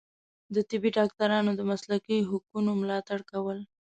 د طبي ډاکټرانو د مسلکي حقونو ملاتړ کول